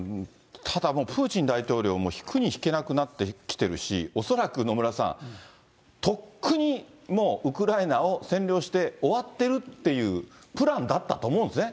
ただもう、プーチン大統領も引くに引けなくなってきてるし、恐らく、野村さん、とっくにもう、ウクライナを占領して終わってるっていうプランだったと思うんですね。